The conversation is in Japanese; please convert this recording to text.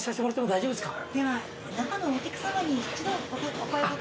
大丈夫ですか？